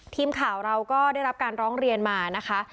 ทีมข่าวเราก็ได้รับการร้องเรียนมานะคะ